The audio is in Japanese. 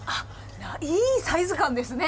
いいサイズ感ですね。